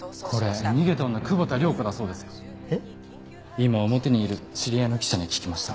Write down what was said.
今表にいる知り合いの記者に聞きました。